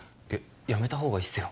やめたほうがいいっすよ。